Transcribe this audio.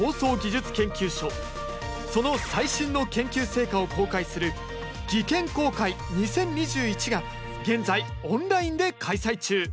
その最新の研究成果を公開する「技研公開２０２１」が現在オンラインで開催中！